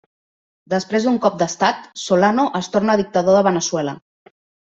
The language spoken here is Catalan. Després d'un cop d'Estat, Solano es torna dictador de Veneçuela.